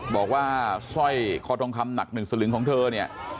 บอกว่าสร้อยคอทองคำหนัก๑สลึงของเธอเนี่ย